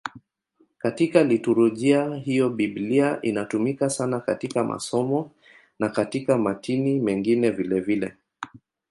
Katika liturujia hiyo Biblia inatumika sana katika masomo na katika matini mengine vilevile.